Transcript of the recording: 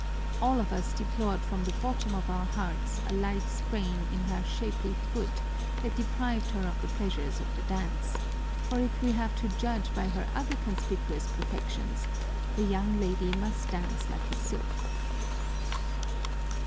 All of us deplored from the bottom of our hearts a light sprain in her shapely foot that deprived her of the pleasures of the dance, for if we have to judge by her other conspicuous perfections, the young lady must dance like a sylph.